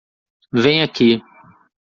Venha aqui